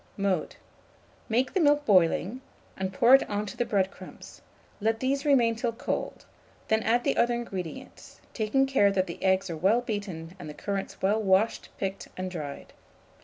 Mode. Make the milk boiling, and pour it on the bread crumbs; let these remain till cold; then add the other ingredients, taking care that the eggs are well beaten and the currants well washed, picked, and dried.